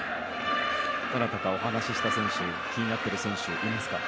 どなたかお話しした選手気になっている選手はいますか？